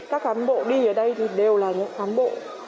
các cán bộ đi ở đây thì đều là những cán bộ